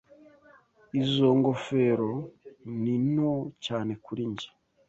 Izoi ngofero ni nto cyane kuri njye.